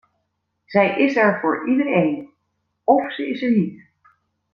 Zij is er voor iedereen, of ze is er niet.